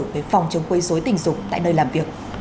về phòng chống quây dối tình dục tại nơi làm việc